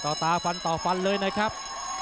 โหดแก้งขวาโหดแก้งขวา